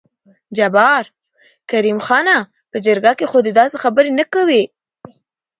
جبار: کريم خانه په جرګه کې خو دې داسې خبرې نه کوې.